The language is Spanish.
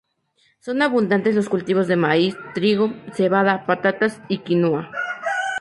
Son abundantes los cultivos de maíz, trigo, cebada, patatas y quinua.